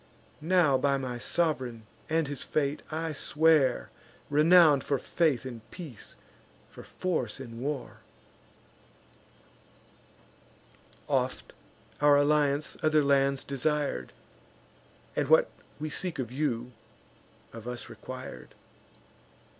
Now, by my sov'reign, and his fate, I swear, Renown'd for faith in peace, for force in war; Oft our alliance other lands desir'd, And, what we seek of you, of us requir'd.